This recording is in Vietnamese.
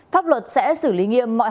pháp luật sẽ xử lý nghiêm mọi hành vi